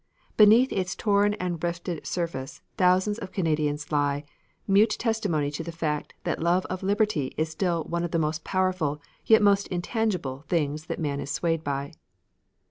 Beneath its torn and rifted surface, thousands of Canadians lie, mute testimony to the fact that love of liberty is still one of the most powerful, yet most intangible, things that man is swayed by.